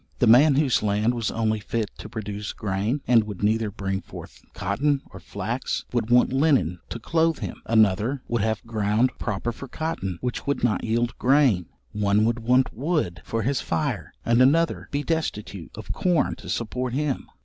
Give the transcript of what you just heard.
The man whose land was only fit to produce grain, and would neither bring forth cotton or flax, would want linen to cloath him. Another would have ground proper for cotton, which would not yield grain. One would want wood for his fire, and another be destitute of corn to support him.